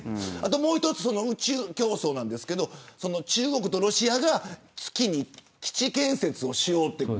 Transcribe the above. もう１つ、宇宙競争ですが中国とロシアが月に基地建設をしようという。